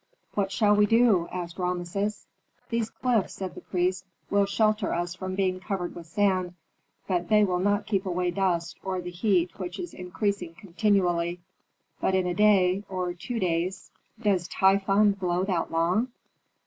"What shall we do?" asked Rameses. "These cliffs," said the priest, "will shelter us from being covered with sand, but they will not keep away dust or the heat which is increasing continually. But in a day or two days " "Does Typhon blow that long?"